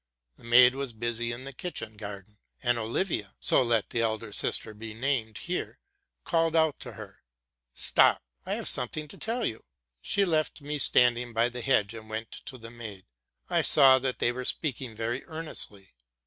The maid was busy in the kitchen garden ; and Olivia (so let the elder sis ter be named here) called out to her, '' Stop! I have some thing to tell you!'' She left me standing by the hedge. and went up to the maid. I saw that they were speaking very earnestly.